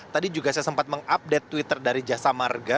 tadi juga saya sempat mengupdate twitter dari jasa marga